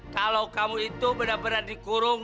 kalau kamu itu benar benar dikurung